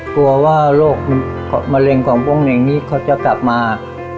กลัวว่าโรคมะเร็งของพวกเน่งนี้เขาจะกลับมา